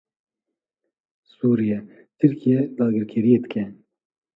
Sûriye; Tirkiye dagirkeriyê dike.